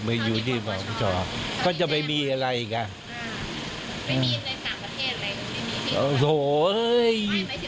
หมายถึงว่าในเว็บไซต์เนี่ย